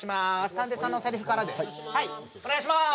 探偵さんのセリフからではいお願いします